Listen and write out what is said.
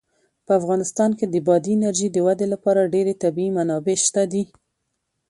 په افغانستان کې د بادي انرژي د ودې لپاره ډېرې طبیعي منابع شته دي.